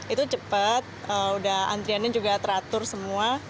itu cepat antriannya juga teratur semua